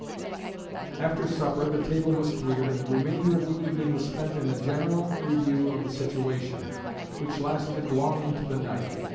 After supper the table was cleared, and the remainder of the evening was spent in a general review of the situation, which lasted long into the night.